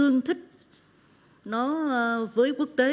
nó tương thích với quốc tế